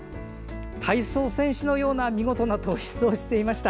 体操選手のような見事な倒立をしていました。